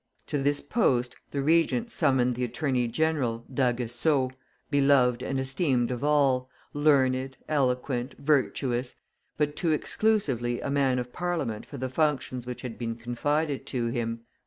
To this post the Regent summoned the attorney general, D'Aguesseau, beloved and esteemed of all, learned, eloquent, virtuous, but too exclusively a man of Parliament for the functions which had been confided to him.